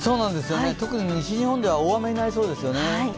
特に西日本では大雨になりそうですね。